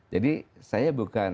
jadi saya bukan